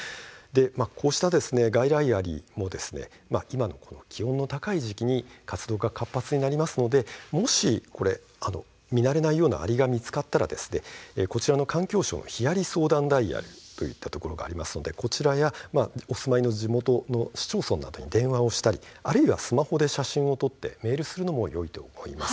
こうした外来アリも今の気温が高い時期に、活動が活発になりますので、もし見慣れないアリが見つかったら環境省のヒアリ相談ダイヤルといったところもありますのでこちらやお住まいの地元の市町村に電話をしたりあるいはスマホで写真を撮ってメールするのもよいと思います。